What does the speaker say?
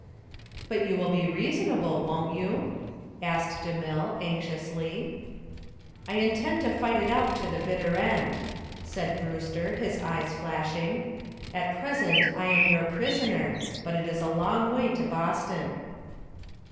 "But you will be reasonable, won't you?" asked DeMille, anxiously. "I intend to fight it out to the bitter end," said Brewster, his eyes flashing. "At present I am your prisoner, but it is a long way to Boston."